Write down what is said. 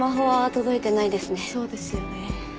そうですよね。